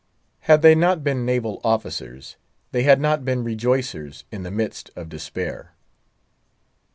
Had they not been naval officers, they had not been rejoicers in the midst of despair.